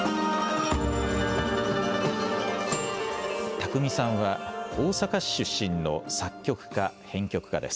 宅見さんは大阪市出身の作曲家・編曲家です。